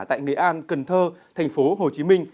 tại nghệ an cần thơ tp hcm